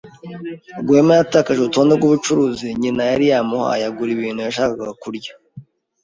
Rwema yatakaje urutonde rwubucuruzi nyina yari yamuhaye agura ibintu yashakaga kurya.